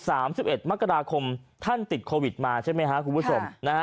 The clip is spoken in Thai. สามสิบเอ็ดมกราคมท่านติดโควิดมาใช่ไหมฮะคุณผู้ชมนะฮะ